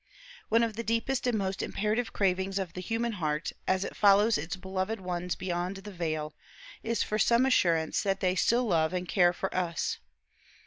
One of the deepest and most imperative cravings of the human heart, as it follows its beloved ones beyond the veil, is for some assurance that they still love and care for us.